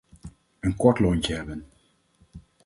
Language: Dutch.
Een kort lontje hebben.